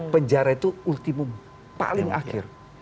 penjara itu ultimum paling akhir